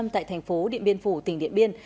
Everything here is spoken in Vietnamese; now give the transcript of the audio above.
tại thành phố điện biên phủ tỉnh điện biên